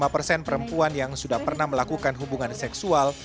lima persen perempuan yang sudah pernah melakukan hubungan seksual